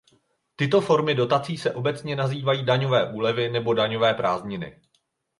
Tyto formy dotací se obecně nazývají daňové úlevy nebo daňové prázdniny.